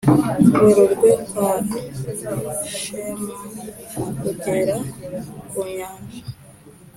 werurwe kwa sherman kugera ku nyanja